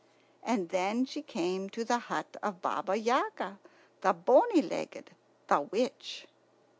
And then she came to the hut of Baba Yaga, the bony legged, the witch.